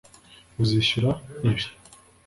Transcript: uzishyura ibi